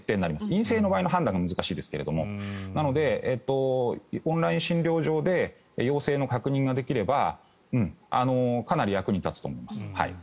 陰性であれば怪しいですがなので、オンライン診療所で陽性の確認ができればかなり役に立つと思います。